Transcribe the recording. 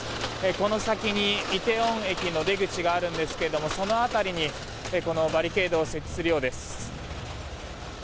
この先にイテウォン駅の出口があるんですけどその辺りに、このバリケードを設置するようです。